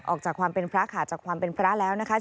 ออกจากความเป็นพระค่ะจากความเป็นพระแล้วนะคะ